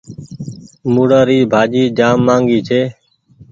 موُڙآ ري ڀآجي جآم ماگي هيتي۔